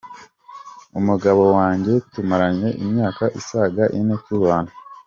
Umugabo wanjye tumaranye imyaka isaga ine tubana.